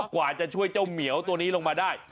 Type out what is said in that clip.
กว่าจะช่วยเจ้าเหมียวตัวนี้ลงมาได้